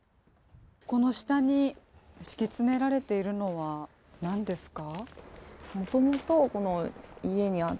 この下に敷きつめられているのは何ですか？